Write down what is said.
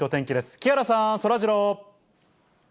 木原さん、そらジロー。